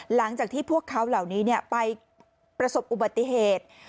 หลังจากที่พวกเขาเหล่านี้ไปประสบอุบัติเหตุ